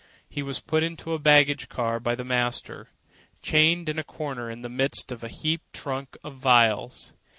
He was put into a baggage car by the master, chained in a corner in the midst of heaped trunks and valises.